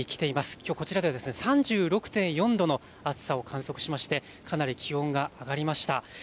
きょうこちらは３６．４度の暑さを観測しましてかなり気温が上がりました。